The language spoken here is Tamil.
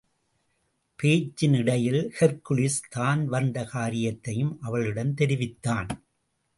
பேச்சின் இடையில் ஹெர்க்குலிஸ் தான் வந்த காரியத்தையும் அவளிடம் தெரிவித்தான்.